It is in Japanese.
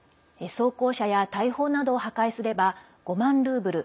装甲車や大砲などを破壊すれば５万ルーブル。